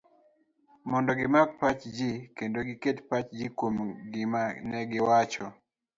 mondo gimak pach ji, kendo giket pachgi kuom gima negiwacho